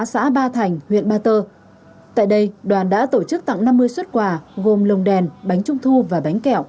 xã ba thành huyện ba tơ tại đây đoàn đã tổ chức tặng năm mươi xuất quà gồm lồng đèn bánh trung thu và bánh kẹo